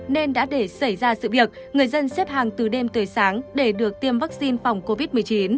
nên đã để xảy ra sự việc người dân xếp hàng từ đêm tới sáng để được tiêm vaccine phòng covid một mươi chín